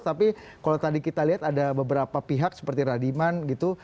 tapi kalau tadi kita lihat ada beberapa pihak seperti radiman gitu